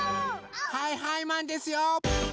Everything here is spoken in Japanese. はいはいマンですよ！